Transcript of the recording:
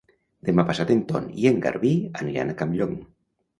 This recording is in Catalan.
Demà passat en Ton i en Garbí aniran a Campllong.